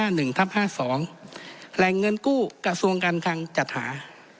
แหล่งเงินกู้กระทรวงการคังจัดหา